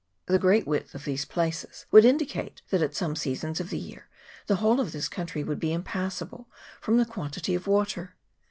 The great width of these places would indicate that at some seasons of the year the whole of this country would be impassable from the quantity .of water.